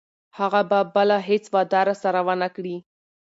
هغه به بله هیڅ وعده راسره ونه کړي.